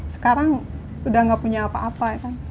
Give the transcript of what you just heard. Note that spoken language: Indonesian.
sekarang sudah nggak punya apa apa